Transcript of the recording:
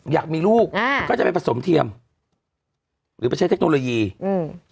อยากมีลูกอ่าก็จะไปผสมเทียมหรือไปใช้เทคโนโลยีอืม